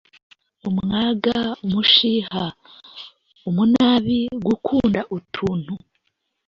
umwaga umushiha, umunabi, gukunda utuntu